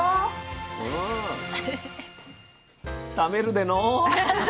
食べるでの。